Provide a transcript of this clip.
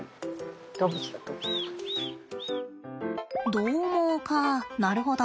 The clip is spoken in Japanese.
どう猛かなるほど。